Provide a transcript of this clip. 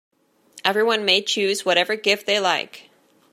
Everyone may choose whatever gift they like.